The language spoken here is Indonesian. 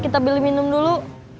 kita beli minum dulu